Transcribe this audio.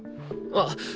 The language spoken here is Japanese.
あっ。